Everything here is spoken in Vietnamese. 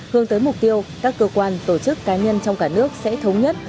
hướng tới mục tiêu các cơ quan tổ chức cá nhân trong cả nước sẽ thống nhất